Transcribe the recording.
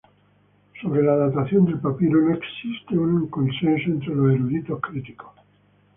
Sobre la datación del papiro no existe un consenso entre los eruditos críticos.